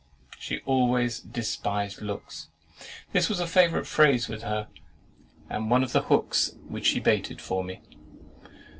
She always "despised looks." This was a favourite phrase with her, and one of the hooks which she baited for me.